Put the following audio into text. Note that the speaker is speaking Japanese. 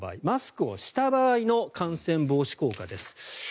マスクをした場合の感染防止効果です。